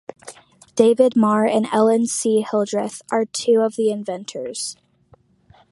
David Marr and Ellen C. Hildreth are two of the inventors.